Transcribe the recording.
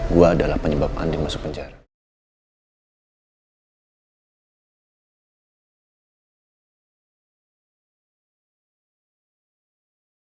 gue adalah penyebab andin masuk penjara